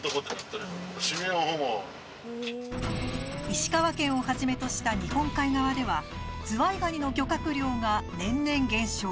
石川県をはじめとした日本海側ではズワイガニの漁獲量が年々減少。